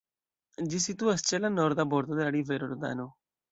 Ĝi situas ĉe la norda bordo de la rivero Rodano.